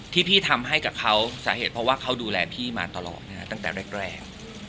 ที่พี่ทำให้กับเขาสาเหตุเพราะว่าเขาดูแลพี่มาตลอดตั้งแต่แรก